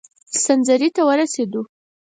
سنځري ته ورسېدلو.